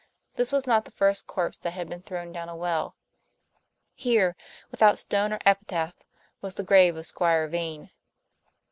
This was not the first corpse that had been thrown down a well; here, without stone or epitaph, was the grave of Squire Vane.